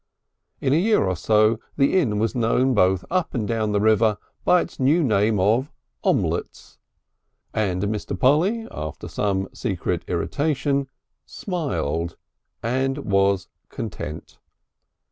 In a year or so the inn was known both up and down the river by its new name of "Omlets," and Mr. Polly, after some secret irritation, smiled and was content.